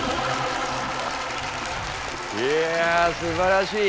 いやすばらしい。